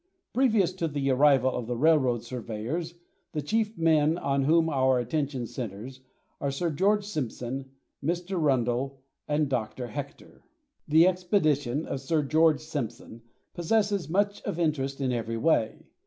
Previous to the arrival of the railroad surveyors, the chief men on whom our attention centres are Sir George Simpson, Mr. Rundle, and Dr. Hector. The expedition of Sir George Simpson possesses much of interest in every way.